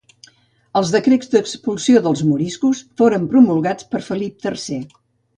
Els decrets d'expulsió dels moriscos foren promulgats per Felip tercer.